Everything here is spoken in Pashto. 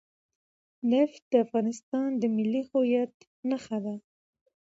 نفت د افغانستان د ملي هویت نښه ده.